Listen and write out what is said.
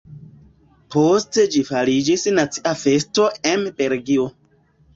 Poste ĝi fariĝis nacia festo em Belgio.